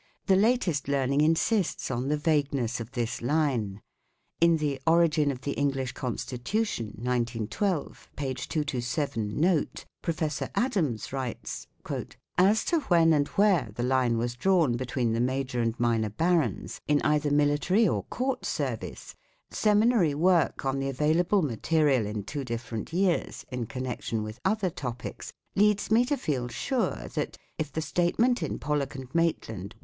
2 The latest learning insists on the vagueness of this line. In the 4t Origin of the English Constitution" (1912), p. 227, note, Prof. Adams writes :" As to when and where the line was drawn between the major and minor barons, in either military or court service, seminary work on the available material in two different years, in connection with other topics, leads me to feel sure that, if the statement in Pollock and Mait land, i.